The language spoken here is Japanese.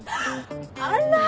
あら！